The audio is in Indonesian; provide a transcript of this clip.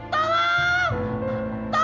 gak mau ma